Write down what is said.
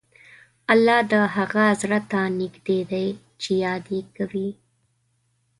الله د هغه زړه ته نږدې دی چې یاد یې کوي.